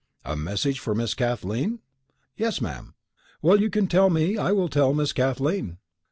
"A message for Miss Kathleen?" "Yes, ma'am." "Well, you can tell me, I will tell Miss Kathleen."